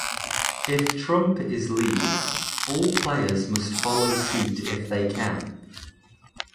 If trump is lead, all players must follow suit if they can.